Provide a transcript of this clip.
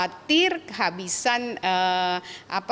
jadi kita bisa mengambil yang lebih besar